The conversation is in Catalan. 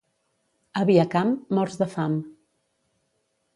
A Viacamp, morts de fam.